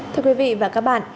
thưa quý vị và các bạn